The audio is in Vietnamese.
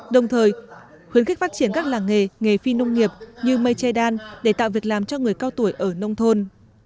đồng thời khuyến khích phát triển các làng nghề nghề phi nông nghiệp như mây che đan để tạo việc làm cho người cao tuổi ở nông thôn